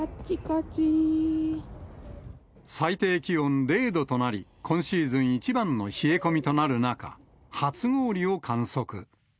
最低気温０度となり、今シーズン一番の冷え込みとなる中、初氷を観測。